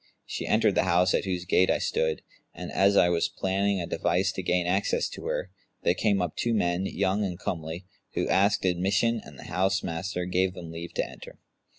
She entered the house at whose gate I stood; and, as I was planning a device to gain access to her, there came up two men young and comely who asked admission and the housemaster gave them leave to enter.